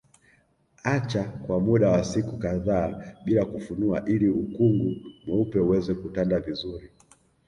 Acha kwa muda wa siku kadhaa bila kufunua ili ukungu mweupe uweze kutanda vizuri